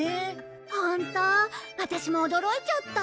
ホントワタシも驚いちゃった。